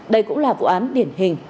đây cũng là vụ án điển hình